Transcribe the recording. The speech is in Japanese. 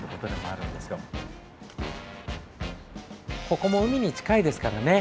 ここも海に近いですからね。